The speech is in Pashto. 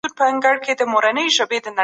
سم نیت اندیښنه نه خپروي.